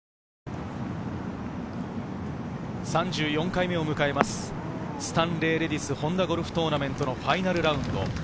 ３４回目を迎えます、スタンレーレディスホンダゴルフトーナメントのファイナルラウンド。